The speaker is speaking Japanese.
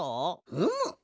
うむ。